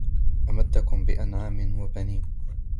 أمدكم بأنعام وبنين